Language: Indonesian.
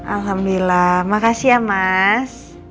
alhamdulillah makasih ya mas